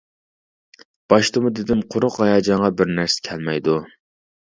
باشتىمۇ دېدىم، قۇرۇق ھاياجانغا بىر نەرسە كەلمەيدۇ.